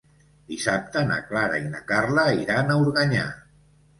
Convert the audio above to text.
Dissabte na Clara i na Carla iran a Organyà.